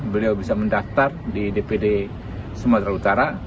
beliau bisa mendaftar di dpd sumatera utara